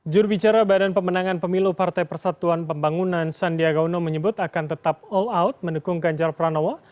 jurubicara badan pemenangan pemilu partai persatuan pembangunan sandiaga uno menyebut akan tetap all out mendukung ganjar pranowo